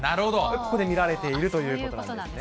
ここで見られていそういうことなんですね。